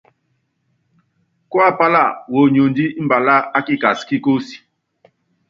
Kuapála woniondí mbalá a kikas ki kúsí.